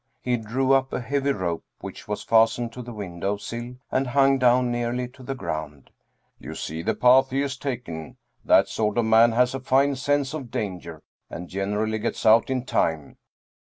He drew up a heavy rope which was fastened to the window sill and hung down nearly to the ground. "You see the path he has taken. That sort of man has a fine sense of danger and generally gets out in time.